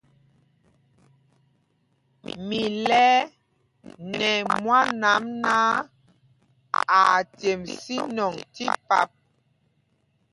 Mi lɛɛ nɛ mwân ām náǎ, aa cemb sínɔŋ tí pap.